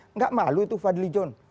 nggak malu itu fadli john